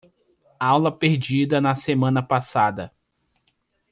Aula perdida na semana passada